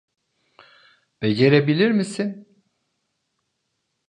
Becerebilir misin?